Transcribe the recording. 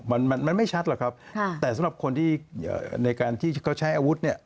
มันมันไม่ชัดหรอกครับค่ะแต่สำหรับคนที่ในการที่เขาใช้อาวุธเนี่ย